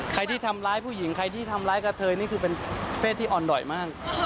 ใครที่ทำร้ายผู้หญิงใครที่ทำร้ายกระเทยนี่คือเป็นเพศที่อ่อนด่อยมาก